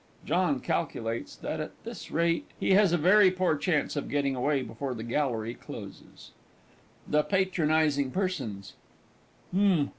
[JOHN calculates that, at this rate, he has a very poor chance of getting away before the Gallery closes. THE PATRONISING PERSONS.